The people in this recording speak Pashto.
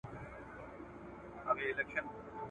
چي مېړه وي هغه تل پر یو قرار وي `